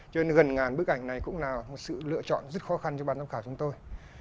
cho nên gần ngàn bức ảnh này cũng là một sự lựa chọn rất khó khăn cho ban giám khảo chúng tôi